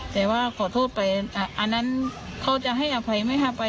แต่ว่าขอโทษไปอันนั้นเขาจะให้อภัยไม่ให้อภัย